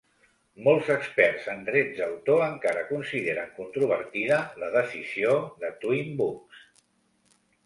Molts experts en drets d'autor encara consideren controvertida la decisió de "Twin Books".